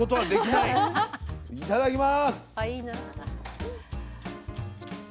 いただきます。